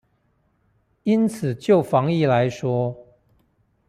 因此就防疫來說